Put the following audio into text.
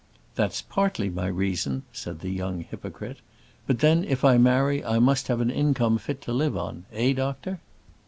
"That's partly my reason," said the young hypocrite. "But then, if I marry I must have an income fit to live on; eh, doctor?"